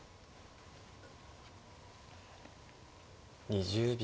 ２０秒。